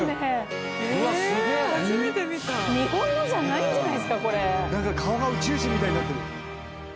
なんか顔が宇宙人みたいになってる。